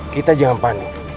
kita jangan panik